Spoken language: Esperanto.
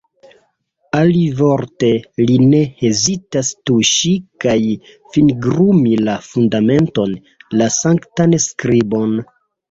Alivorte, li ne hezitas tuŝi kaj fingrumi la fundamenton, la sanktan skribon.